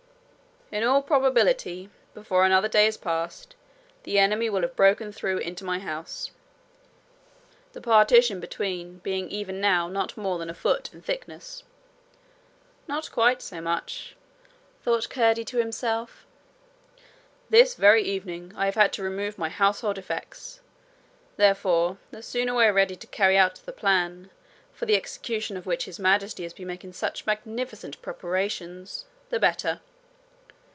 In all probability, before another day is past, the enemy will have broken through into my house the partition between being even now not more than a foot in thickness.' 'Not quite so much,' thought Curdie to himself. 'This very evening I have had to remove my household effects; therefore the sooner we are ready to carry out the plan, for the execution of which His Majesty has been making such magnificent preparations, the better.